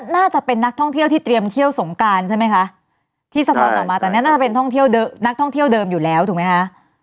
น่าจะเป็นนักท่องเที่ยวที่เตรียมเที่ยวสงการใช่ไหมคะที่สะท้อนออกมาตอนนี้น่าจะเป็นท่องเที่ยวนักท่องเที่ยวเดิมอยู่แล้วถูกไหมคะ